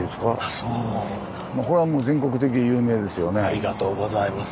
ありがとうございます。